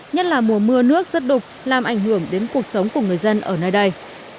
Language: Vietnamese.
nhất là mùa mưa nước rất đục làm ảnh hưởng đến cuộc sống của người dân ở nơi đây